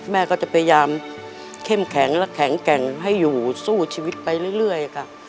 แม่ก็จะพยายามเข้มแข็งและแข็งแกร่งให้อยู่สู้ชีวิตไปเรื่อยค่ะ